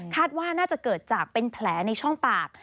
ว่าน่าจะเกิดจากเป็นแผลในช่องปาก